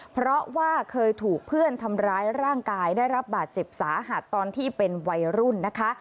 เพราะว่าเคยถูกเพื่อนทำร้ายร่างกายได้รับบาดเจ็บสาหัสตอนที่เป็นวัยรุ่นนะคะ